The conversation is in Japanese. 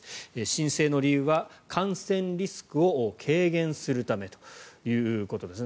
申請の理由は感染リスクを軽減するためということです。